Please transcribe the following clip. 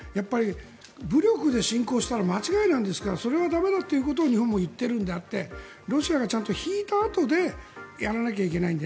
武力で侵攻したのが間違いなんですからそれは駄目だと日本も言っているのであってロシアがちゃんと引いたあとでやらなければいけないので。